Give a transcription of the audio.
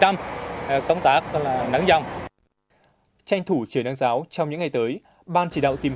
tranh thủ truyền đăng giáo trong những ngày tới ban chỉ đạo tìm kiếm nạn nhân huy động tổng lực về lực lượng phương tiện cơ sở vật chất trang thiết bị